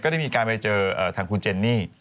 ได้มีการไปเจอทางคุณเจนนี่